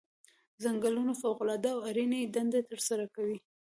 ځنګلونه فوق العاده او اړینې دندې ترسره کوي.